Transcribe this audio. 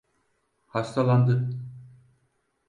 Hastalandı.